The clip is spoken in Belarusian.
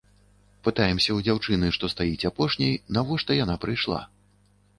Пытаемся ў дзяўчыны, што стаіць апошняй, навошта яна прыйшла.